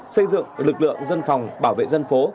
xây dựng lực lượng dân phòng bảo vệ dân phố